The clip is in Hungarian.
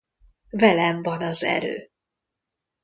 Velem van az erő!